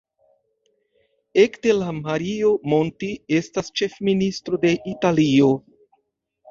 Ekde la Mario Monti estas ĉefministro de Italio.